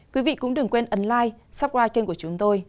quý vị cũng đừng quên ấn like subscribe kênh của chúng tôi